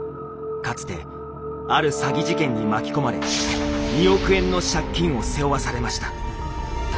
かつてある詐欺事件に巻き込まれ２億円の借金を背負わされました。